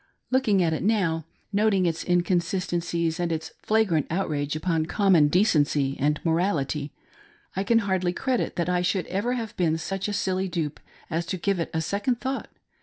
Looking at it now ; noting its inconsistencies and its flagrant outrage upon common decency and morality, I can hardly credit that I should ever have been such a silly dupe as to give it a second thought.